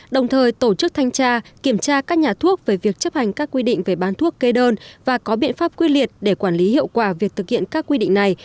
đồng thời tổ chức thanh tra kiểm tra các nhà thuốc về việc chấp hành các quy định về bán thuốc kê đơn và có biện pháp quy liệt để quản lý hiệu quả việc thực hiện các quy định này